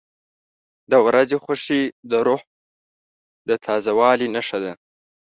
• د ورځې خوښي د روح د تازه والي نښه ده.